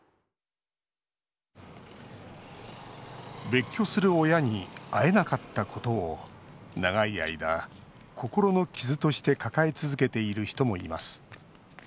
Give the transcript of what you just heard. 別居する親に会えなかったことを長い間、心の傷として抱え続けている人もいます。